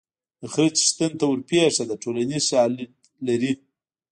د خره څښتن ته ورپېښه ده ټولنیز شالید لري